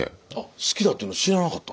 好きだっていうの知らなかったん？